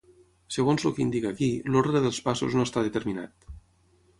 Segons el que indica aquí, l'ordre dels passos no està determinat.